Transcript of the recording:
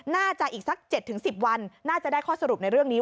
น่าจะอีกสัก๗๑๐วันน่าจะได้ข้อสรุปในเรื่องนี้